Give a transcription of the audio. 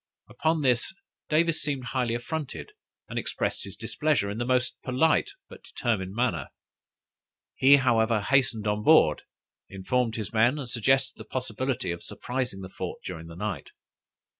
Upon this, Davis seemed highly affronted, and expressed his displeasure in the most polite but determined manner. He, however, hastened on board, informed his men, and suggested the possibility of surprising the fort during the night.